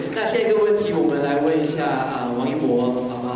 แล้วเอาออกมาบ้างเลยนะครับ